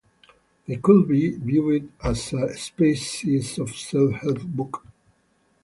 They could be viewed as a species of self-help book.